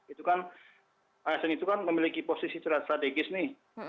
itu kan asn itu kan memiliki posisi tidak strategis nih